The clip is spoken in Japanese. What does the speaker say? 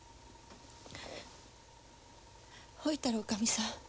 ほいたら女将さん